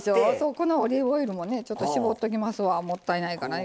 このオリーブオイルもねちょっと絞っときますわもったいないからね